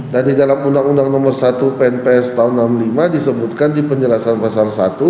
dan di dalam undang undang nomor satu pnps tahun seribu sembilan ratus enam puluh lima disebutkan di penjelasan pasal satu